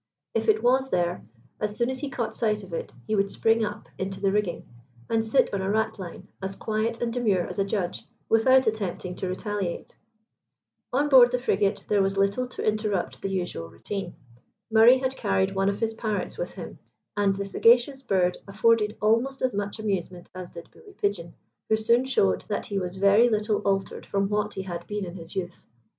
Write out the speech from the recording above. If it was there, as soon as he caught sight of it, he would spring up into the rigging and sit on a ratline, as quiet and demure as a judge, without attempting to retaliate. On board the frigate there was little to interrupt the usual routine. Murray had carried one of his parrots with him, and the sagacious bird afforded almost as much amusement as did Bully Pigeon, who soon showed that he was very little altered from what he had been in his youth.